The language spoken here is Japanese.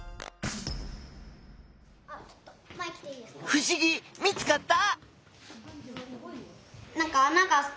ふしぎ見つかった？